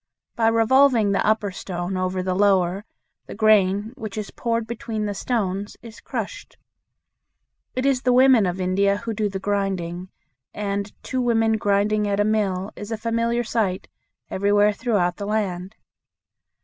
By revolving the upper stone over the lower the grain which is poured between the stones is crushed. It is the women of India who do the grinding, and "two women grinding at a mill" is a familiar sight everywhere throughout the land.